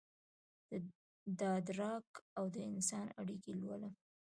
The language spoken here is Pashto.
دادراک اودانسان اړیکې لولم